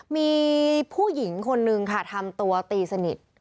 มีผู้หญิงคนนึงค่ะทำตัวตีสนิท